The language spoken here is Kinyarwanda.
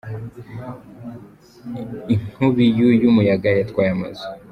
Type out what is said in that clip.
inkubiyu yumuyaga yatwaye amazu